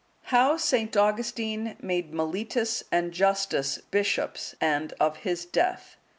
How St. Augustine made Mellitus and Justus bishops; and of his death.